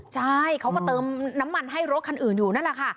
ใช่เขาก็เติมน้ำมันให้รถคันอื่นอยู่นั่นแหละค่ะ